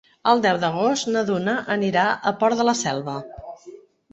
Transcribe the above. El deu d'agost na Duna anirà al Port de la Selva.